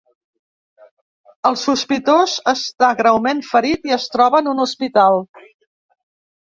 El sospitós està greument ferit i es troba en un hospital.